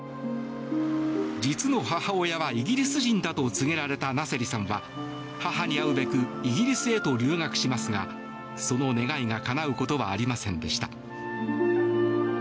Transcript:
実の母親はイギリス人だと告げられたナセリさんは母に会うべくイギリスへと留学しますがその願いがかなうことはありませんでした。